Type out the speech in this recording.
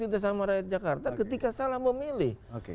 kita sama rakyat jakarta ketika salah memilih